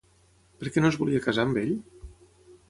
Per què no es volia casar amb ell?